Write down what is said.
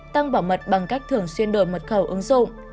tăng bảo mật bằng cách thường xuyên đổi mật khẩu ứng dụng